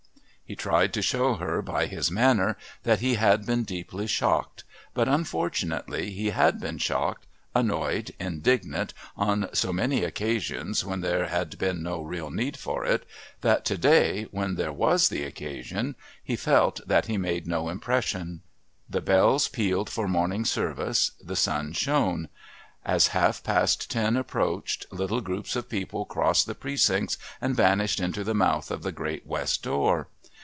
He tried to show her by his manner that he had been deeply shocked, but, unfortunately, he had been shocked, annoyed, indignant on so many occasions when there had been no real need for it, that to day, when there was the occasion, he felt that he made no impression. The bells pealed for morning service, the sun shone; as half past ten approached, little groups of people crossed the Precincts and vanished into the mouth of the great West door.